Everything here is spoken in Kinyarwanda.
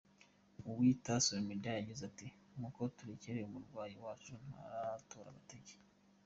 Uwiyita Salumhidaya yagize ati “muko turekere umurwayi wacu ntaratora agatege.